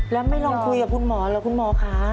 แล้วไม่ลองคุยกับคุณหมอเหรอคุณหมอคะ